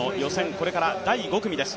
これから第５組です。